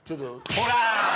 ほら。